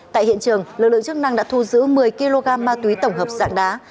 tại hiện trường lực lượng chức năng đã thu giữ một mươi kg ma túy tổng hợp dạng đá